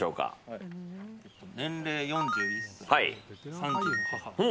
年齢４１歳３児の母。